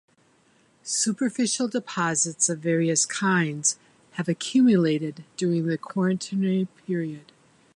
Superficial deposits of various kinds have accumulated during the Quaternary period.